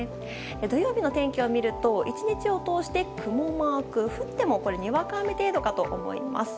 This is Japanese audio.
土曜日の天気を見ると１日を通して雲マーク降ってもにわか雨程度かと思います。